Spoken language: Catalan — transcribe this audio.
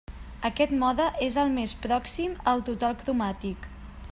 Aquest mode és el més pròxim al total cromàtic.